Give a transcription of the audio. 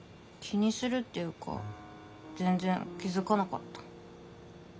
気にするっていうか全然気付かなかった。